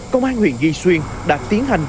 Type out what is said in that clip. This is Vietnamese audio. công an huyện di xuyên đã tiến hành